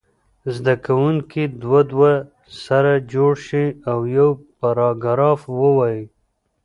زده کوونکي دوه دوه سره جوړ شي او یو پاراګراف ووایي.